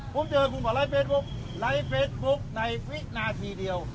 ผมเจอคุณหมอไลฟ์เฟซบุ๊กไลฟ์เฟซบุ๊กในวินาทีเดียว